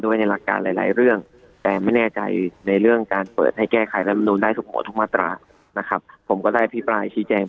ก็คงไม่ได้ทำข้อมูลความเปลี่ยน